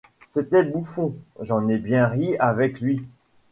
C'était bouffon ; j'en ai bien ri avec lui.